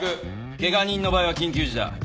ケガ人の場合は緊急時だ。